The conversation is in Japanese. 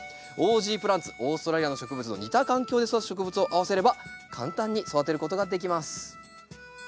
オーストラリアの植物の似た環境で育つ植物を合わせれば簡単に育てることができます。